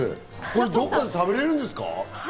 どこかで食べられるんですか？